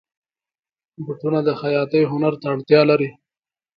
بوټونه د خیاطۍ هنر ته اړتیا لري.